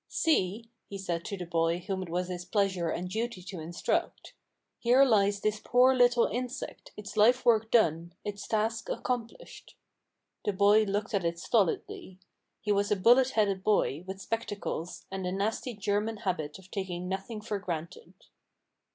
"See," he said to the boy whom it was his pleasure and duty to instruct, "here lies this poor little insect, its life work done, its task accomplished." The boy looked at it stolidly. He was a bullet headed boy, with spectacles, and a nasty German habit of taking nothing for granted.